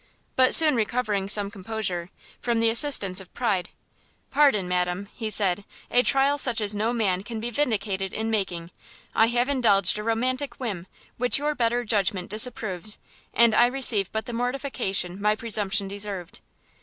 But soon recovering some composure, from the assistance of pride, "Pardon, madam," he said, "a trial such as no man can be vindicated in making. I have indulged a romantic whim, which your better judgment disapproves, and I receive but the mortification my presumption deserved."